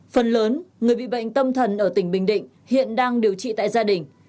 phần lớn người bị bệnh tâm thần ở tỉnh bình định hiện đang điều trị tại gia đình